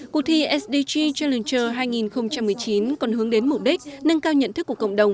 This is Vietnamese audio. cuộc thi sdg challenger hai nghìn một mươi chín còn hướng đến mục đích nâng cao nhận thức của cộng đồng